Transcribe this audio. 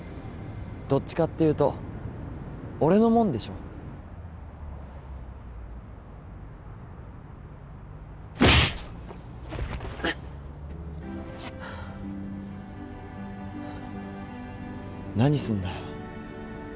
どっちかっていうと俺のもんでしょ何すんだよ